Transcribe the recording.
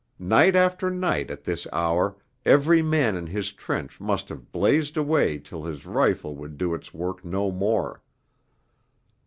Night after night at this hour every man in his trench must have blazed away till his rifle would do its work no more.